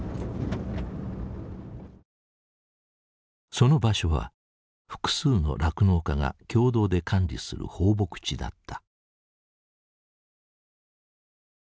その場所は複数の酪農家が共同で管理する放牧地だった。